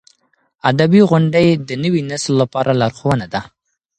ادبي غونډې د نوي نسل لپاره لارښوونه ده.